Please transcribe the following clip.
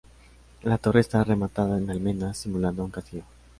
La torre está rematada en almenas, simulando un castillo.